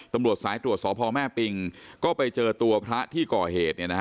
ตำรวจสายตรวจสพแม่ปิงก็ไปเจอตัวพระที่ก่อเหตุ